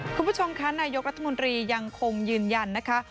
คุณผู้ชมคะนายกรัฐมนตรียังคงยืนยันนะคะ